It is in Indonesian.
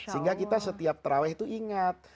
sehingga kita setiap terawih itu ingat